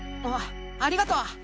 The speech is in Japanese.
あありがとう。